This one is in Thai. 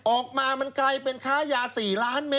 ออกมามันกลายเป็นค้ายา๔ล้านเมต